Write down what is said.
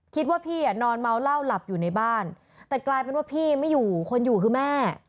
คิดว่าพี่นอนเมาเหล้าหลับอยู่ในบ้านแต่กลายเป็นว่าพี่ไม่อยู่คนอยู่คือแม่